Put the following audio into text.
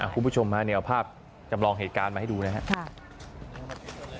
คุณผู้ชมเอาภาพจำลองเหตุการณ์มาให้ดูนะครับ